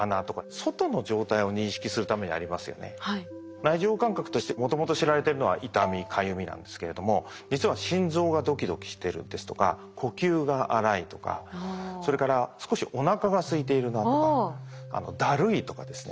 内受容感覚としてもともと知られてるのは痛みかゆみなんですけれども実は心臓がドキドキしてるですとか呼吸が荒いとかそれから少しおなかがすいているなとかだるいとかですね